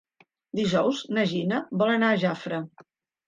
Dijous na Gina vol anar a Jafre.